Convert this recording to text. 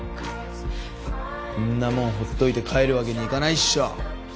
んなもんほっといて帰るわけにいかないっしょ。